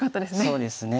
そうですね。